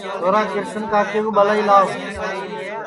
چھورا کرشنا کاکے کُو ٻلائی لاو